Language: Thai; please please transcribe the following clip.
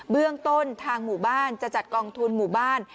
เบื้องต้นทางหมู่บ้านจะจัดกองทุนหมู่บ้าน